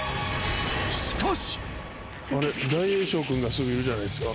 しかし。